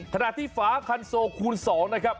ขณะที่ฝาคันโซคูณ๒นะครับ